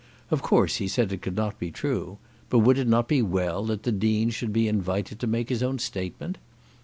Of course he said it could not be true; but would it not be well that the Dean should be invited to make his own statement?